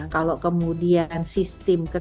kalau kemudian sistem kekebalan